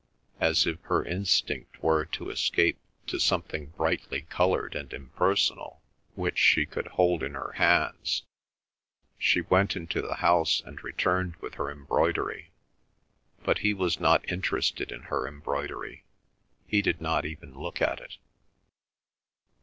As if her instinct were to escape to something brightly coloured and impersonal, which she could hold in her hands, she went into the house and returned with her embroidery. But he was not interested in her embroidery; he did not even look at it.